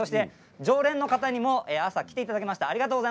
常連の方でも朝来ていただきました。